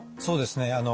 そうですね。